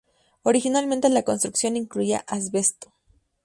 Originalmente la construcción incluía asbesto.